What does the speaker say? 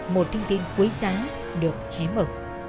một thông tin quấy giá được hé mở